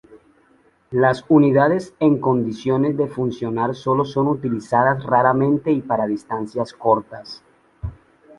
Las unidades en condiciones de funcionar solo son utilizadas raramente y para distancias cortas.